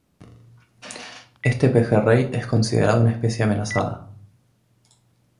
Este pejerrey es considerado una especie amenazada.